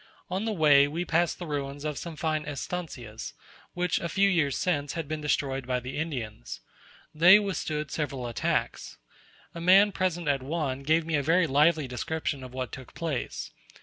On the way we passed the ruins of some fine "estancias," which a few years since had been destroyed by the Indians. They withstood several attacks. A man present at one gave me a very lively description of what took place.